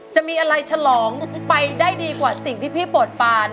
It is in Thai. จะมีอะไรฉลองไปได้ดีกว่าสิ่งที่พี่โปรดฟาน